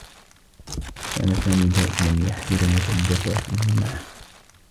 كان سامي دائما يحمل مسدّساته معه.